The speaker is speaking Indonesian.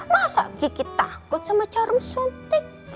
masa gigit takut sama jarum suntik